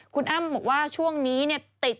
คุณอั้มบอกว่าช่วงนี้เนี่ย